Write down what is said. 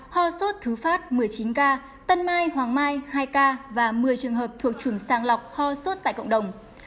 ho sốt thứ phát một mươi chín ca tân mai hoàng mai hai ca và một mươi trường hợp thuộc chủng sàng lọc ho sốt tại cộng đồng